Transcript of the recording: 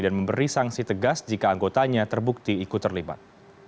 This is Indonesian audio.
dan memberi sanksi tegas jika anggotanya terbukti ikut terlibat